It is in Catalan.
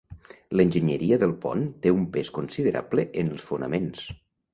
L'enginyeria del pont té un pes considerable en els fonaments.